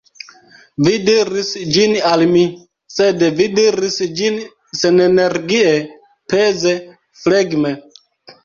Vi diris ĝin al mi; sed vi diris ĝin senenergie, peze, flegme.